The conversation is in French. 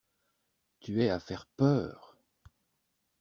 Tu es à faire peur!